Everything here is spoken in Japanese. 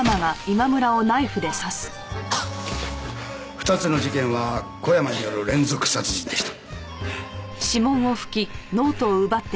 ２つの事件は小山による連続殺人でした。